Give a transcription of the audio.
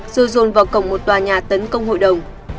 rồi dồn vào cổng một tòa nhà tấn công hội đồng